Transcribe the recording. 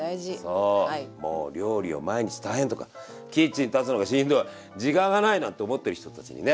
そうもう料理を毎日大変とかキッチン立つのがしんどい時間が無いなんて思っている人たちにね。